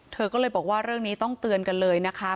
เธอก็เลยบอกว่าเรื่องนี้ต้องเตือนกันเลยนะคะ